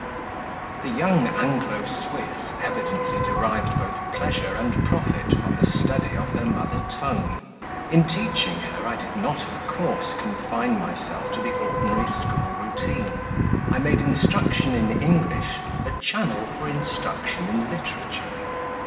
THE young Anglo Swiss evidently derived both pleasure and profit from the study of her mother tongue. In teaching her I did not, of course, confine myself to the ordinary school routine; I made instruction in English a channel for instruction in literature.